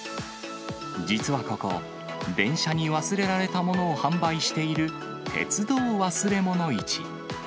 実はここ、電車に忘れられたものを販売している鉄道忘れ物市。